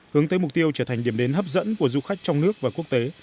hướng tới mục tiêu trở thành điểm đến hấp dẫn của du khách trong nước và quốc tế